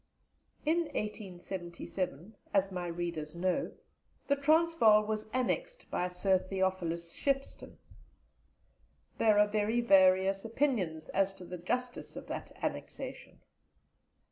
In 1877, as my readers know, the Transvaal was annexed by Sir Theophilus Shepstone. There are very various opinions as to the justice of that annexation.